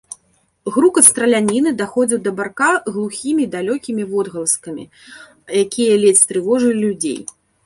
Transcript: Грукат страляніны даходзіў да барка глухімі, далёкімі водгаласкамі, якія ледзь трывожылі людзей.